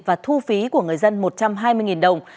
và thu phí của người dân một trăm hai mươi đồng